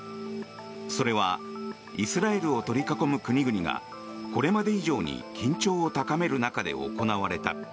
それはイスラエルを取り囲む国々がこれまで以上に緊張を高める中で行われた。